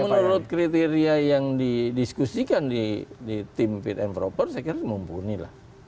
kalau menurut kriteria yang didiskusikan di tim fit and proper saya kira mumpuni lah